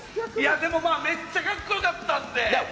めっちゃかっこよかったんで。